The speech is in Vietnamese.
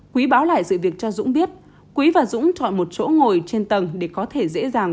quý báo lại sự việc cho dũng biết quý và dũng chọn một chỗ ngồi trên tầng để có thể dễ dàng